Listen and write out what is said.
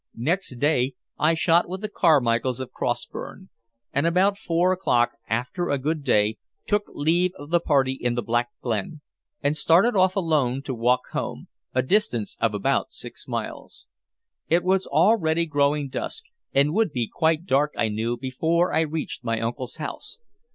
Next day I shot with the Carmichaels of Crossburn, and about four o'clock, after a good day, took leave of the party in the Black Glen, and started off alone to walk home, a distance of about six miles. It was already growing dusk, and would be quite dark, I knew, before I reached my uncle's house.